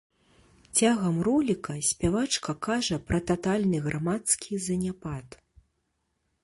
Цягам роліка спявачка кажа пра татальны грамадскі заняпад.